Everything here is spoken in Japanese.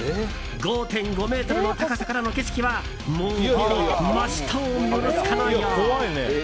５．５ｍの高さからの景色はもうほぼ真下を見下ろすかのよう。